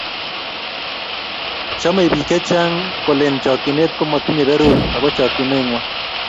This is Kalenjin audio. Chomei bik chechang kolen chokchinet komotinye berur ako chokchinetngwai